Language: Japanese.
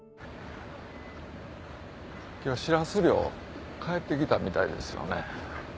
今日シラス漁帰ってきたみたいですよね。